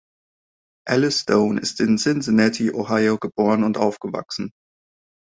Alice Stone ist in Cincinnati, Ohio, geboren und aufgewachsen.